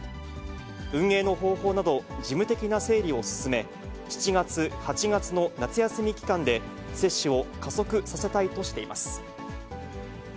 運営の方法など事務的な整理を進め、７月、８月の夏休み期間で、接種を加速させたいとしています。